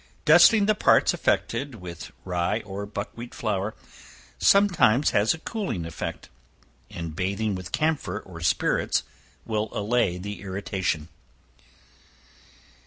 Dusting the parts affected, with rye or buckwheat flour, sometimes has a cooling effect, and bathing with camphor or spirits will allay the irritation.